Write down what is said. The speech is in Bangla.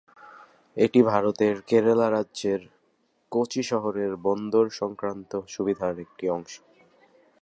এটি ভারতের কেরালা রাজ্যের কোচি শহরের বন্দর-সংক্রান্ত সুবিধার একটি অংশ।